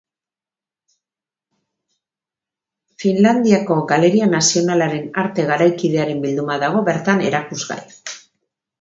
Finlandiako Galeria Nazionalaren arte garaikidearen bilduma dago bertan erakusgai.